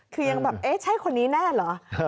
คือยังแบบเอ๊ะใช่คนนี้แน่เหรอ